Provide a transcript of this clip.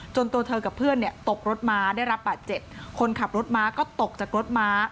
ตัวเธอกับเพื่อนเนี่ยตกรถม้าได้รับบาดเจ็บคนขับรถม้าก็ตกจากรถม้า